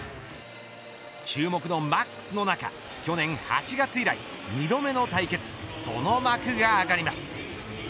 注目度マックスの中去年８月以来２度目の対決その幕が上がります。